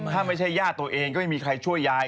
ถ้าไม่ใช่ญาติตัวเองก็ไม่มีใครช่วยยาย